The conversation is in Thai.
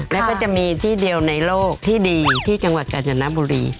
แล้วก็จะมีที่เดียวในโลกที่ดีที่จังหวัดกาญจนบุรี